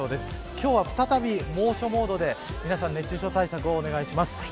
今日は再び猛暑モードで熱中症対策をお願いします。